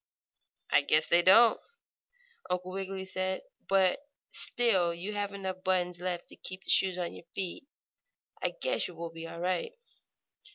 "I guess they don't," Uncle Wiggily said. "But still you have enough buttons left to keep the shoes on your feet. I guess you will be all right."